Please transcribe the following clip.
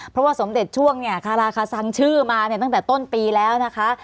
เพราะว่าสมเด็จช่วงเนี่ยคาราคาซังชื่อมาเนี่ยตั้งแต่ต้นปีแล้วนะคะ